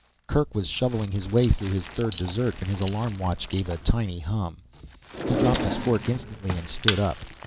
Kerk was shoveling his way through his third dessert when his alarm watch gave a tiny hum. He dropped his fork instantly and stood up.